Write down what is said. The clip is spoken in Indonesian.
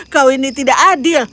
kau ini tidak adil